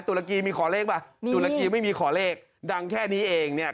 ตุรกีมีขอเลขป่ะตุรกีไม่มีขอเลขดังแค่นี้เองเนี่ย